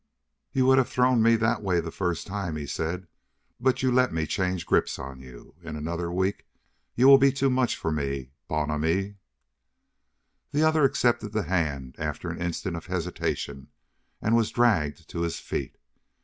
"You would have thrown me that way the first time," he said, "but you let me change grips on you. In another week you will be too much for me, bon ami." The other accepted the hand after an instant of hesitation and was dragged to his feet.